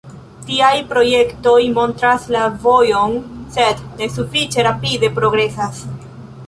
Tiaj projektoj montras la vojon, sed ne sufiĉe rapide progresas.